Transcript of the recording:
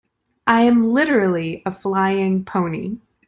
I'm literally a flying pony.